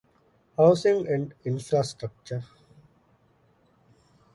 ހައުސިންގ އެންޑް އިންފްރާންސްޓްރަކްޗަރ